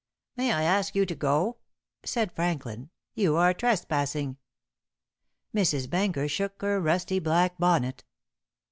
"May I ask you to go?" said Franklin. "You are trespassing." Mrs. Benker shook her rusty black bonnet.